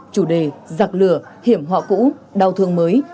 chủ đề giặc lửa hiểm họa cũ đào thường mới